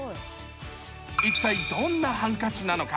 一体どんなハンカチなのか。